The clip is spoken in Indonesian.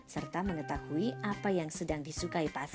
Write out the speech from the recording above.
serta mengetahui apa yang sedang disukai pasar